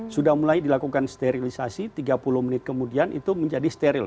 sudah mulai dilakukan sterilisasi tiga puluh menit kemudian itu menjadi steril